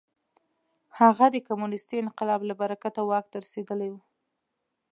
هغه د کمونېستي انقلاب له برکته واک ته رسېدلی و.